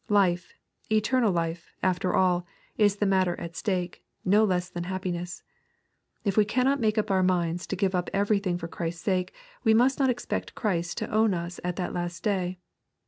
Life, eternal life, after all, is the matter at stake, no less than happiness. If we cannot make up our minds to give up everything for Christ's sake, we must not expect Christ to own us at the last day.